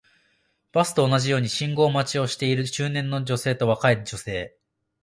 バスと同じように信号待ちをしている中年の女性と若い女性